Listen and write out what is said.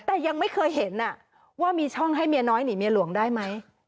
แต่ยังไม่เคยเห็นว่ามีช่องให้เมียน้อยหนีเมียหลวงได้ไหม